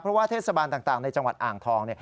เพราะว่าเทศบาลต่างในจังหวัดอ่างทอง